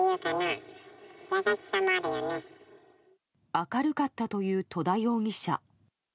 明るかったという戸田容疑者。